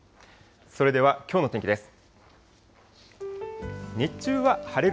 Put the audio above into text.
それではきょうの天気です。